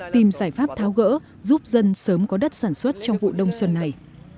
tìm giải pháp tháo gỡ giúp dân sớm có đất sản xuất trong vụ đông xuân này